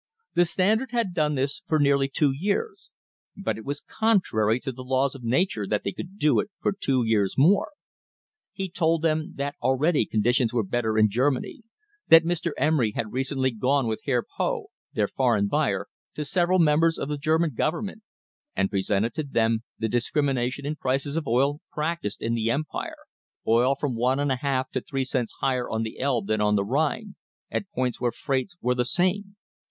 The Standard had done this for nearly two years but it was contrary to the laws of nature that they do it for two years more. He told them that already conditions were better in Germany; that Mr. Emery had recently gone with Herr Poth, their foreign buyer, to sev eral members of the German government, and presented to them the discrimination in prices of oil practised in the em pire, oil from one and a half to three cents higher on the Elbe than on the Rhine, at points where freights were the same.